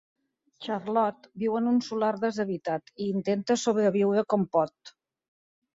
Charlot viu en un solar deshabitat i intenta sobreviure com pot.